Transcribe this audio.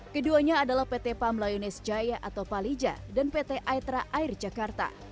keduanya adalah pt pam layunes jaya atau palija dan pt aetra air jakarta